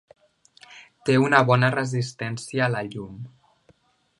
Té una bona resistència a la llum.